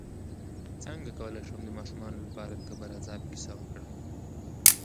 څنګه کولی شم د ماشومانو لپاره د قبر عذاب کیسه وکړم